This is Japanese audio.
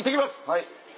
はい。